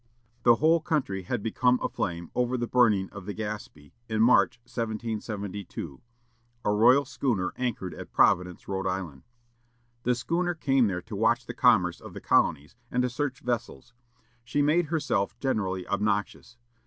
The whole country had become aflame over the burning of the Gaspee, in March, 1772, a royal schooner anchored at Providence, R. I. The schooner came there to watch the commerce of the colonies, and to search vessels. She made herself generally obnoxious.